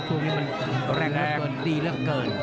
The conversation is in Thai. ตรงนี้มันแรงมากเกินดีมากเกิน